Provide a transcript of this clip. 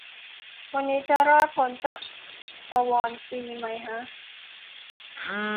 วันนี้จะรอดพ้นจากสวอนซีไหมฮะ